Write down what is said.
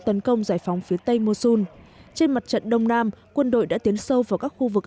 tấn công giải phóng phía tây mosun trên mặt trận đông nam quân đội đã tiến sâu vào các khu vực